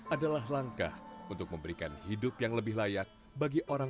adalah langkah untuk memberikan hidup yang lebih layak bagi orang